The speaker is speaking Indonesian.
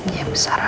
iya bu sarah